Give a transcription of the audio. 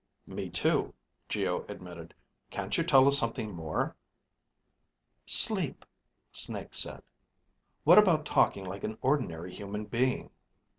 "Me too," Geo admitted. "Can't you tell us something more?" Sleep, Snake said. "What about talking like an ordinary human being?"